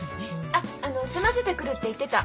あっ済ませてくるって言ってた。